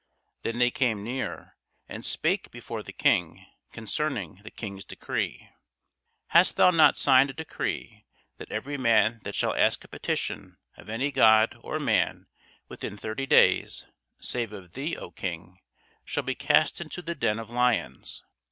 Then they came near, and spake before the King concerning the King's decree; Hast thou not signed a decree, that every man that shall ask a petition of any god or man within thirty days, save of thee, O King, shall be cast into the den of lions?